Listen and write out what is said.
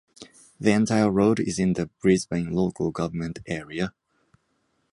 The entire road is in the Brisbane local government area.